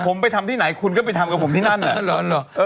ผมไปทำที่ไหนคุณก็ไปทำกับผมที่นั่นแหละ